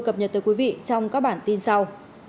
cập nhật tới quý vị trong các bản tin sau